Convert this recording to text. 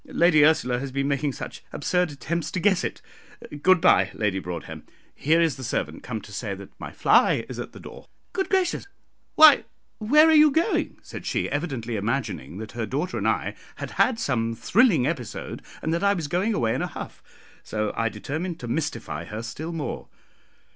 Lady Ursula has been making such absurd attempts to guess it. Good bye, Lady Broadhem. Here is the servant come to say that my fly is at the door." "Good gracious! Why, where are you going?" said she, evidently imagining that her daughter and I had had some thrilling episode, and that I was going away in a huff, so I determined to mystify her still more.